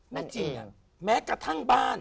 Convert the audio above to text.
จริงแม้กระทั่งบ้าน